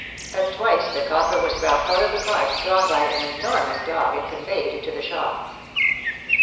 At twice the copper was brought out of the cart, drawn by an enormous dog, and conveyed into the shop.